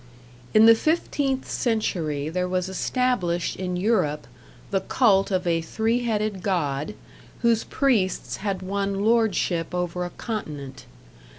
In the fifteenth century there was established in Europe the cult of a three headed god, whose priests had won lordship over a continent.